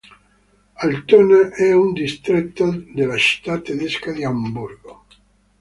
Altona è un distretto della città tedesca di Amburgo.